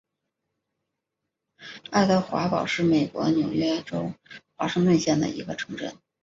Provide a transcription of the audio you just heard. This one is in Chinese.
爱德华堡是美国纽约州华盛顿县的一个城镇。